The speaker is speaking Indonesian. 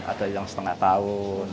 ada yang setengah tahun